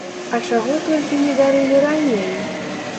А чаго толькі не дарылі раней!